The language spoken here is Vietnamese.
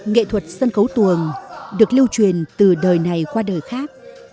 nghệ thuật sân khấu tuồng được lưu truyền từ đời này qua đời khác